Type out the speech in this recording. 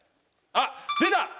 あっ出た！